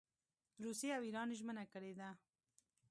روسیې او اېران ژمنه کړې ده.